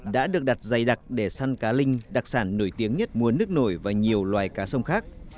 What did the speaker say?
đã được đặt dày đặc để săn cá linh đặc sản nổi tiếng nhất mua nước nổi và nhiều loài cá sông khác